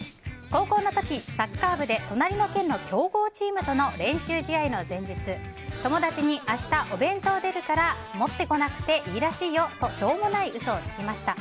高校の時サッカー部で隣の県の強豪チームとの練習試合の前日、友達に明日、お弁当が出るから持ってこなくていいらしいよとしょうもない嘘をつきました。